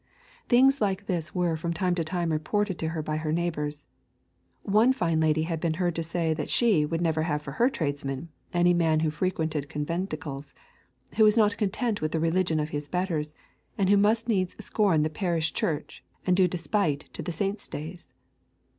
Things like this were from time to time reported to her by her neighbours. One fine lady had been heard to say that she would never have for her tradesman any man who frequented conventicles, who was not content with the religion of his betters, and who must needs scorn the parish church and do despite to the saints' days.